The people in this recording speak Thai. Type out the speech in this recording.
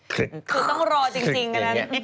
คือต้องรอจริงอันนั้น